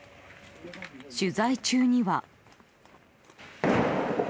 取材中には。